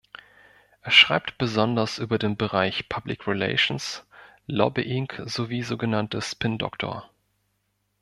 Er schreibt besonders über den Bereich Public Relations, Lobbying sowie sogenannte Spin-Doctor.